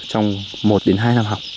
trong một đến hai năm học